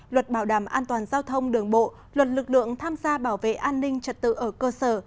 luật bảo đảm an toàn giao thông đường bộ luật lực lượng tham gia bảo vệ an ninh trật tự ở cơ sở